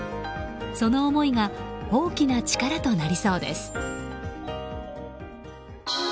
その思いが大きな力となりそうです。